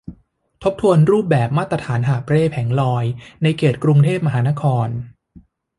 ทบทวนรูปแบบมาตรฐานหาบเร่แผงลอยในเขตกรุงเทพมหานคร